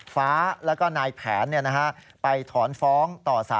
ฟ้าและก็นายแผนไปถร่อนฟ้อง